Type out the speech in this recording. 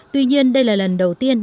tuy nhiên đây là lần đầu tiên